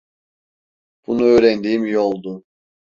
Bunu öğrendiğim iyi oldu.